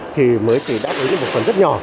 thì mới chỉ đã đến một phần rất nhỏ